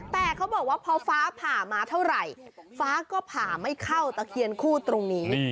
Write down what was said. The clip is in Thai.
แต่เขาบอกว่าพอฟ้าผ่ามาเท่าไหร่ฟ้าก็ผ่าไม่เข้าตะเคียนคู่ตรงนี้